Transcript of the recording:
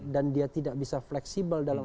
dan dia tidak bisa fleksibel di dalam